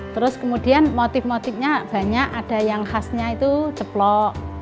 terus kemudian motif motifnya banyak ada yang khasnya itu ceplok